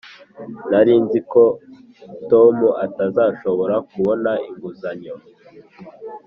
nari nzi ko tom atazashobora kubona inguzanyo.